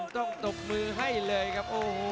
ตบมือให้เลยครับโอ้โห